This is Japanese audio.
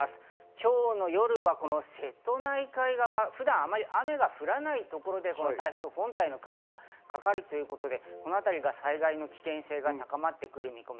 今日の夜は瀬戸内海側、普段あまり雨が降らないところで台風本体の雲がかかるということで、このあたりが災害の危険性が高まってくる見込み。